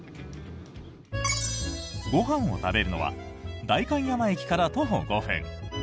ご飯を食べるのは代官山駅から徒歩５分。